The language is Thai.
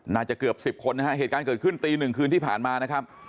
น่าจะเกือบ๑๐คนนะครับเหตุการณ์เกิดขึ้นตี๑คืนที่ผ่านมานะครับ